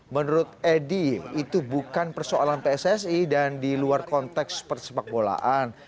menurut edi itu bukan persoalan pssi dan di luar konteks persepak bolaan